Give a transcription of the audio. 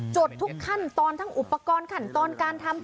ดทุกขั้นตอนทั้งอุปกรณ์ขั้นตอนการทำ